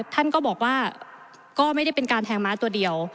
ท่านก็บอกว่าก็ไม่ได้เป็นการแทงม้าตัวเดียว